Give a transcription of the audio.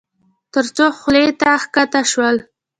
تر څو خولې ته کښته شول.